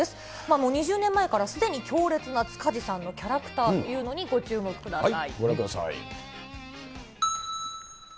もう２０年前からすでに強烈な塚地さんのキャラクターというのにご覧ください。